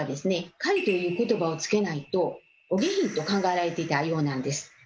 「狩り」という言葉をつけないとお下品と考えられていたようなんです。